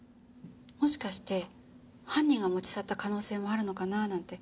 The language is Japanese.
もしかして犯人が持ち去った可能性もあるのかななんて。